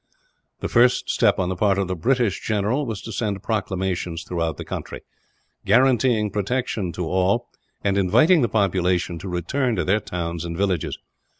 The first step, on the part of the British general, was to send proclamations through the country; guaranteeing protection to all, and inviting the population to return to their towns and villages.